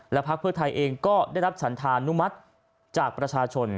พักเพื่อไทยเองก็ได้รับฉันธานุมัติจากประชาชน